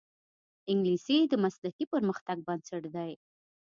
انګلیسي د مسلکي پرمختګ بنسټ دی